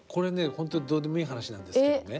本当にどうでもいい話なんですけどね